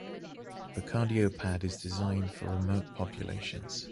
The CardioPad is designed for remote populations.